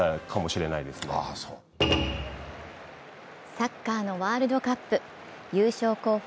サッカーのワールドカップ、優勝候補